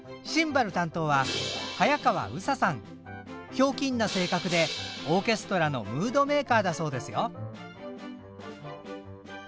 ひょうきんな性格でオーケストラのムードメーカーだそうですよ。